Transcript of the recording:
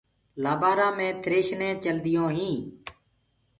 لآبآرآ مي ٿريشرينٚ چلديونٚ هينٚ۔